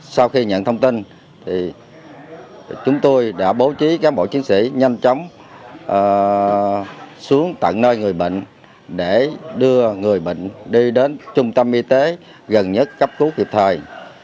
sau khi nhận thông tin chúng tôi đã bố trí cán bộ chiến sĩ nhanh chóng xuống tận nơi người bệnh để đưa người bệnh đi đến trung tâm y tế gần nhất cấp cứu kịp thời